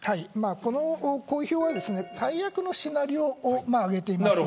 この公表は最悪のシナリオを挙げています。